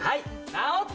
直った！